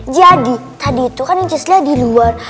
jadi tadi itu kan cislyah diluar